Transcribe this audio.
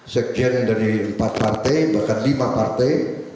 sekjen dari empat partai bahkan lima partai